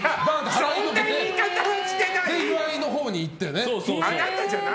そんな言い方はしてない！